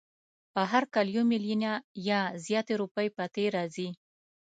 هر کال یو میلیونه یا زیاتې روپۍ پاتې راځي.